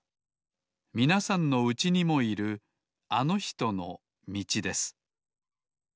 みなさんのうちにもいるあのひとのみちです